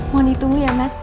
mohon ditunggu ya mas